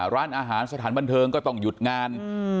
ร้านอาหารสถานบันเทิงก็ต้องหยุดงาน